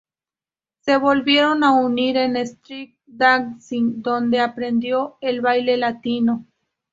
Se volvieron a unir en Strictly Dancing, donde aprendió el baile Latino.